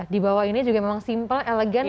di bawah ini juga memang simple elegan